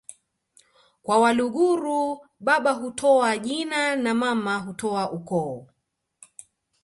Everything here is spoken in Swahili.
kwa Waluguru baba hutoa jina na mama hutoa ukoo